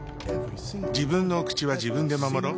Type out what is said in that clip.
自分のお口は自分で守ろっ。